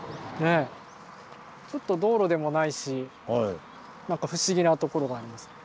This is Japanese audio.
ちょっと道路でもないしなんか不思議なところがありますね。